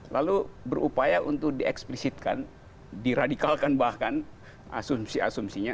lalu berupaya untuk dieksplisitkan diradikalkan bahkan asumsi asumsinya